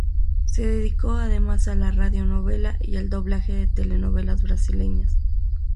Se dedicó además a la radio novela y al doblaje de telenovelas brasileñas.